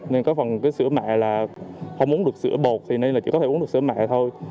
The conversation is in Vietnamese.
nên có phần cái sữa mẹ là không muốn được sữa bột thì nên là chỉ có thể uống được sữa mạng thôi